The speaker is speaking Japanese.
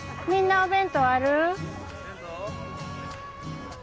みんなお弁当ある？